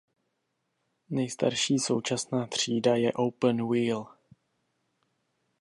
Nejstarší současná třída je Open Wheel.